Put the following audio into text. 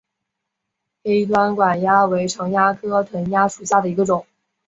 黑端管蚜为常蚜科藤蚜属下的一个种。